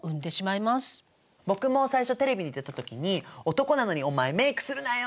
僕も最初テレビに出た時に「男なのにお前メイクするなよ！」